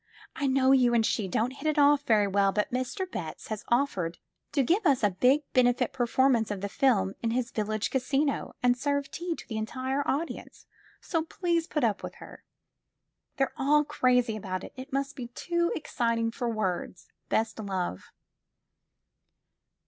I know you wnd she don't hit it off very well, but Mr. Betts has offered to give us a big benefit performance of the film* in his village casino and serve tea to the entire audience, so please put up urith her. They're aU crazy about it. It must be too exciting for words. Best love.''